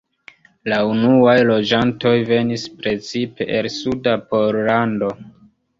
La unuaj loĝantoj venis precipe el suda Pollando.